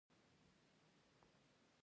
دوبى تېر شي نو اسپې به در باندې خرڅوم